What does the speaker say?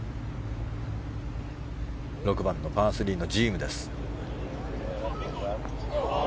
６番のパー３のジームです。